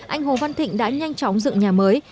anh hồ văn thịnh đã nhanh chóng dựng nhà mới